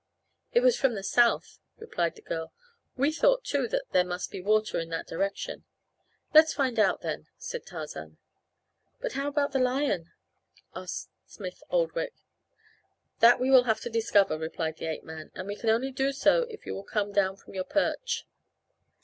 "It was from the south," replied the girl. "We thought, too, that there must be water in that direction." "Let's find out then," said Tarzan. "But how about the lion?" asked Smith Oldwick. "That we will have to discover," replied the ape man, "and we can only do so if you will come down from your perch."